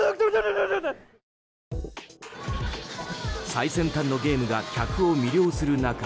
最先端のゲームが客を魅了する中